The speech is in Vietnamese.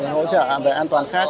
hỗ trợ về an toàn khác